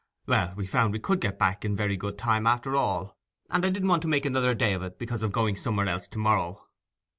'Well, we found we could get back in very good time after all, and I didn't want to make another day of it, because of going somewhere else to morrow.